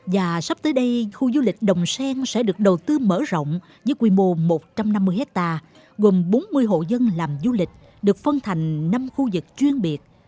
và sắp tới đây khu du lịch đồng sen sẽ được đầu tư mở rộng với quy mô một trăm năm mươi hectare gồm bốn mươi hộ dân làm du lịch được phân thành năm khu vực chuyên biệt